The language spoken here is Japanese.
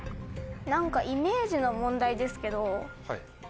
何かイメージの問題ですけど。